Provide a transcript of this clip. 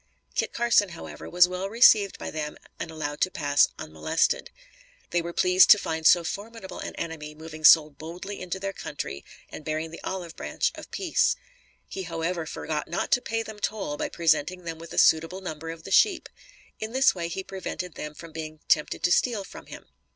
Kit Carson, however, was well received by them and allowed to pass unmolested. They were pleased to find so formidable an enemy moving boldly into their country and bearing the olive branch of peace. He however forgot not to pay them toll by presenting them with a suitable number of the sheep. In this way he prevented them from being tempted to steal from him.